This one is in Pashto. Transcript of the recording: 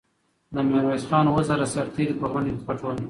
د میرویس خان اوه زره سرتېري په غرونو کې پټ ول.